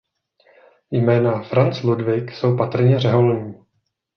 Jména Franz Ludwig jsou patrně řeholní.